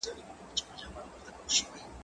مځکه د بزګر له خوا کرل کيږي؟!